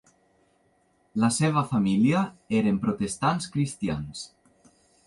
La seva família eren Protestants cristians.